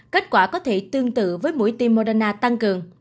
kết quả có thể tương tự với mũi tim moderna tăng cường